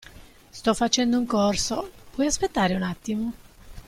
Sto facendo un corso, puoi aspettare un attimo?